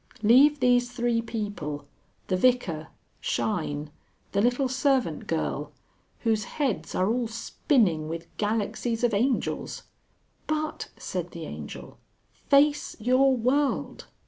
Leave these three people, the Vicar, Shine, the little servant girl, whose heads are all spinning with galaxies of Angels...." "But," said the Angel. "Face your world!